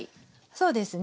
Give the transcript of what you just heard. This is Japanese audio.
そうですね。